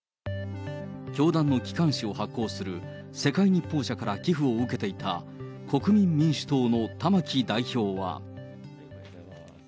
教団の機関誌を発行する世界日報社から寄付を受けていた、国民民主党の玉木代表は。